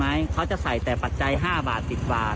เขาจะใส่แต่ปัจจัย๕บาท๑๐บาท